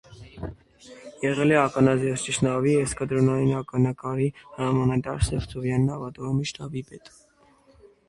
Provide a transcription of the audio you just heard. Եղել է ականազերծիչ նավի, էսկադրոնային ականակրի հրամանատար, Սևծովյան նավատորմի շտաբի պետ։